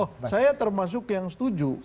oh saya termasuk yang setuju